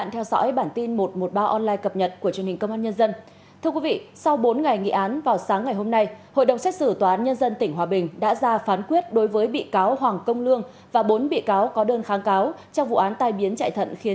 hãy đăng ký kênh để ủng hộ kênh của chúng mình nhé